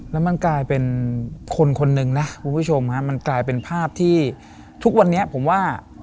แล้วมันกลายเป็นคนคนหนึ่งนะคุณผู้ชมฮะมันกลายเป็นภาพที่ทุกวันนี้ผมว่า